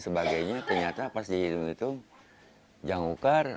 sebagainya ternyata pasti itu jangan lupa